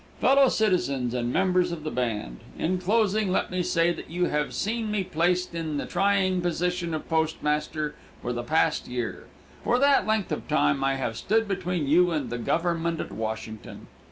"Fellow citizens and members of the band, in closing let me say that you have seen me placed in the trying position of postmaster for the past year. For that length of time I have stood between you and the government at Washington.